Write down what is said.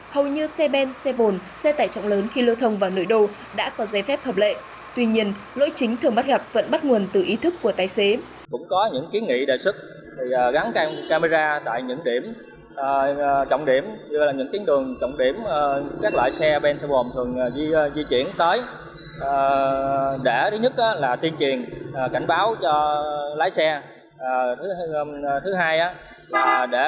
hầu như xe bên xe bồn xe tải trọng lớn khi lưu thông vào nửa đô đã có giấy phép hợp lệ tuy nhiên lỗi chính thường bắt gặp vẫn bắt nguồn từ ý thức của tái xế